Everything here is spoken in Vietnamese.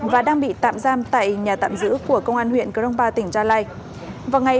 và đang bị tạm giam tại nhà tạm giữ của công an huyện crongpa tỉnh gia lai